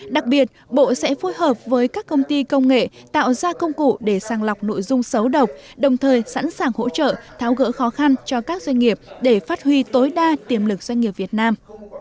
đặc biệt bộ sẽ phối hợp với các công ty công nghệ tạo ra công cụ để sàng lọc nội dung xấu độc đồng thời sẵn sàng hỗ trợ tháo gỡ khó khăn cho các doanh nghiệp để phát huy tối đa tiềm lực doanh nghiệp việt nam